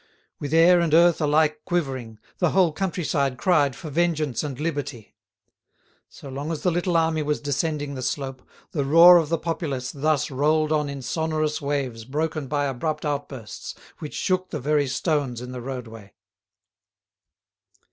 With air and earth alike quivering, the whole country side cried for vengeance and liberty. So long as the little army was descending the slope, the roar of the populace thus rolled on in sonorous waves broken by abrupt outbursts which shook the very stones in the roadway.